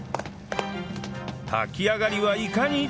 炊き上がりはいかに？